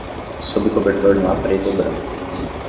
Sob o cobertor não há preto ou branco.